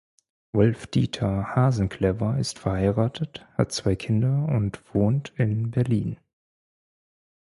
Wolf-Dieter Hasenclever ist verheiratet, hat zwei Kinder und wohnt in Berlin.